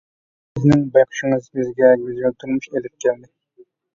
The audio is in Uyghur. سىزنىڭ بايقىشىڭىز بىزگە گۈزەل تۇرمۇش ئېلىپ كەلدى.